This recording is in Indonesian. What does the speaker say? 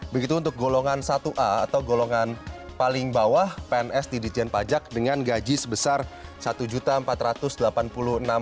begitu untuk golongan satu a atau golongan paling bawah pns di dijen pajak dengan gaji sebesar rp satu empat ratus delapan puluh enam